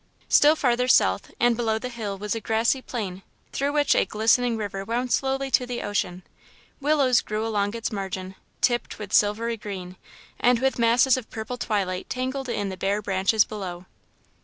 Still farther south and below the hill was a grassy plain, through which a glistening river wound slowly to the ocean. Willows grew along its margin, tipped with silvery green, and with masses of purple twilight tangled in the bare branches below.